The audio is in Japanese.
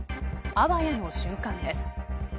あわやの瞬間です。